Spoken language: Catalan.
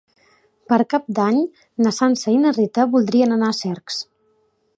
Per Cap d'Any na Sança i na Rita voldrien anar a Cercs.